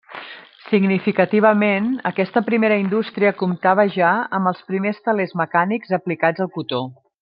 Significativament, aquesta primera indústria comptava ja amb els primers telers mecànics aplicats al cotó.